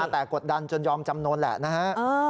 แต่กดดันจนยอมจำนวนแหละนะฮะ